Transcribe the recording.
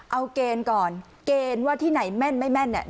เอาเกณฑ์ก่อนเกณฑ์ว่าที่ไหนแม่นไม่แม่นเนี่ย